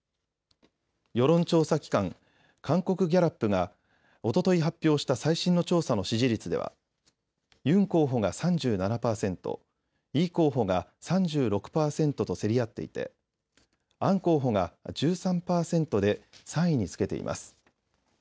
世論調査機関韓国ギャラップがおととい発表した最新の調査の支持率ではユン候補が３７％、イ候補が３６％と競り合っていてアン候補が１３％で３位につけています。